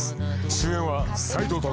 主演は斎藤工。